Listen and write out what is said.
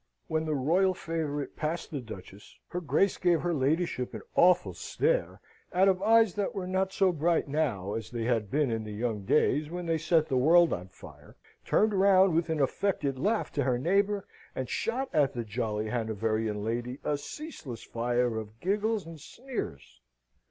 When the royal favourite passed the Duchess, her Grace gave her Ladyship an awful stare out of eyes that were not so bright now as they had been in the young days when they "set the world on fire;" turned round with an affected laugh to her neighbour, and shot at the jolly Hanoverian lady a ceaseless fire of giggles and sneers.